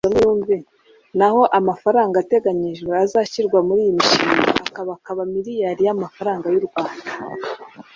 na ho amafaranga ateganijwe azashyirwa muri iyi mishinga akaba akabakaba Miliyari y’amafaranga y’u Rwanda